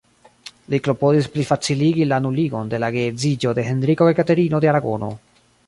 Li klopodis plifaciligi la nuligon de la geedziĝo de Henriko kaj Katerino de Aragono.